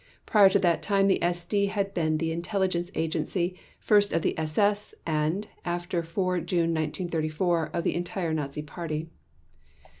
Prior to that time the SD had been the intelligence agency, first of the SS, and, after 4 June 1934, of the entire Nazi Party.